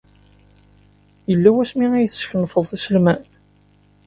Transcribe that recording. Yella wasmi ay teskenfeḍ iselman?